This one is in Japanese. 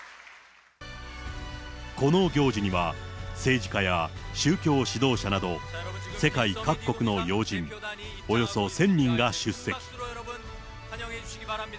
この行事には、政治家や宗教指導者など、世界各国の要人、およそ１０００人が出席。